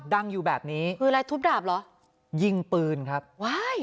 ดังอยู่แบบนี้คืออะไรทุบดาบเหรอยิงปืนครับว้าย